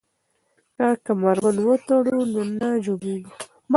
که کمربند وتړو نو نه ژوبلیږو.